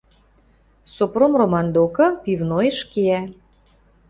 Сопром Роман докы, пивнойыш, кеӓ.